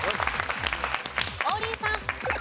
王林さん。